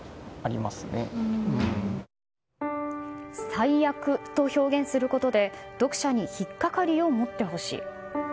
「災厄」と表現することで読者に引っ掛かりを持ってほしい。